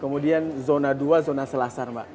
kemudian zona dua zona selasar mbak